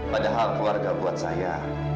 padahal keluarga buat saya